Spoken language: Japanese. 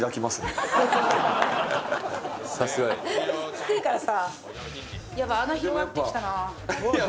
低いからさ。